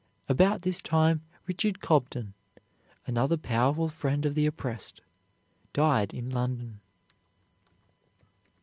About this time Richard Cobden, another powerful friend of the oppressed, died in London.